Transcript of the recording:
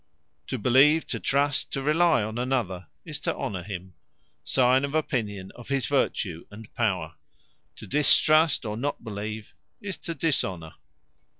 To believe, to trust, to rely on another, is to Honour him; signe of opinion of his vertue and power. To distrust, or not believe, is to Dishonour.